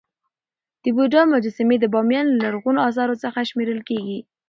د بودا مجسمي د بامیان له لرغونو اثارو څخه شمېرل کيږي.